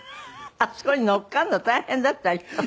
あそこに乗っかるの大変だったでしょ？